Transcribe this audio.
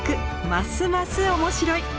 ますます面白い！